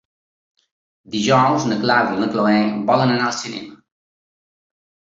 Dijous na Clàudia i na Cloè volen anar al cinema.